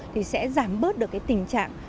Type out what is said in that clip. thì sẽ giảm bớt được tình trạng